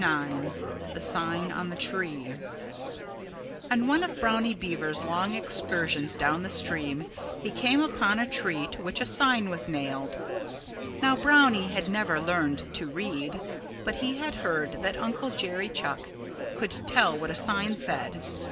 IX THE SIGN ON THE TREE On one of Brownie Beaver's long excursions down the stream he came upon a tree to which a sign was nailed. Now, Brownie had never learned to read. But he had heard that Uncle Jerry Chuck could tell what a sign said.